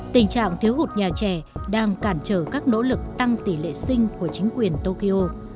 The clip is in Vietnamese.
tình trạng thiếu hụt nhà trẻ đang cản trở các nỗ lực tăng tỷ lệ sinh của chính quyền tokyo